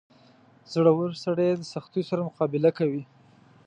• زړور سړی د سختیو سره مقابله کوي.